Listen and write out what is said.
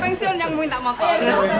terus setelah ini apaan